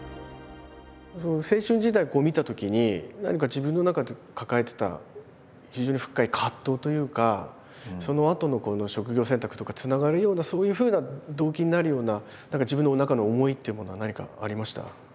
青春時代見たときに何か自分の中で抱えてた非常に深い葛藤というかそのあとの職業選択とかにつながるようなそういうふうな動機になるような何か自分の中の思いっていうものは何かありました？